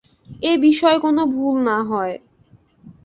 এ বিষয়ে কোন ভুল না হয়।